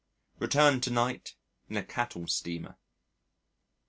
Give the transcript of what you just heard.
Return to night in a cattle steamer.